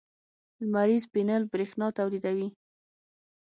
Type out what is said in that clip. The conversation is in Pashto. لمریز پینل برېښنا تولیدوي.